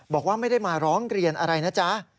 บอกว่าไม่ได้มาร้องเรียนอะไรนะจ๊ะ